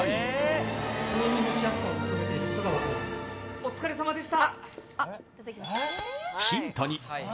お疲れさまでした！